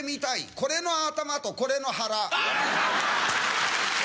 これの頭とこれの腹。